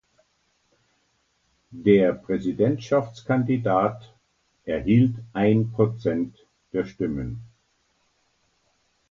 Der Präsidentschaftskandidat erhielt ein Prozent der Stimmen.